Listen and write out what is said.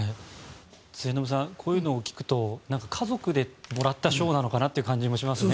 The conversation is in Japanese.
末延さん、こういうのを聞くと家族でもらった賞なのかなという感じもしますね。